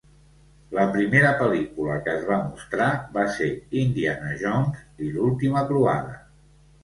La primera pel·lícula que es va mostrar va ser "Indiana Jones i l'última croada".